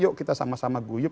yuk kita sama sama guyup